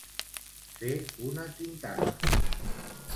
Fer una quintada.